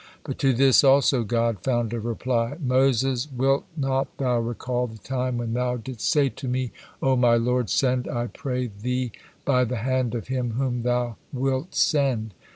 But to this also God found a reply: "Moses, wilt not thou recall the time when thou didst say to Me, 'O my Lord, send, I pray Thee by the hand of him whom Thou wild send?'